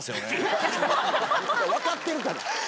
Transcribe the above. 分かってるから。